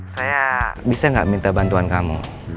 saya bisa nggak minta bantuan kamu